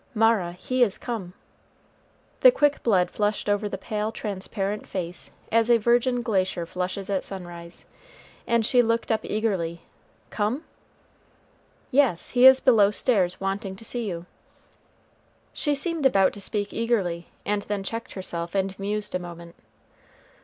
"Mara, he is come." The quick blood flushed over the pale, transparent face as a virgin glacier flushes at sunrise, and she looked up eagerly. "Come!" "Yes, he is below stairs wanting to see you." She seemed about to speak eagerly, and then checked herself and mused a moment.